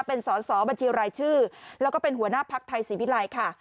เป็นสอสอบัญชีรายชื่อแล้วก็เป็นหัวหน้าภักดิ์ไทยศรีวิลัยค่ะ